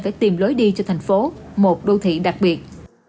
phải tìm lối đi cho thành phố một đô thị đặc biệt